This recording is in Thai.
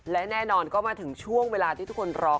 และแน่นอนก็มาถึงช่วงเวลาที่ทุกคนร้อง